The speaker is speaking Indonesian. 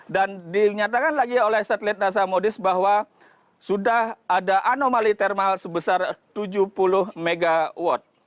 dan dinyatakan lagi oleh satelit nasa modis bahwa sudah ada anomali termal sebesar tujuh puluh mw